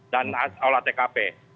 dan awal tkp